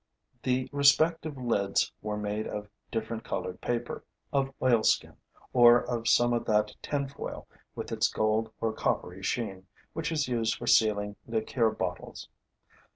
The respective lids were made of different colored paper, of oilskin, or of some of that tinfoil, with its gold or coppery sheen, which is used for sealing liqueur bottles.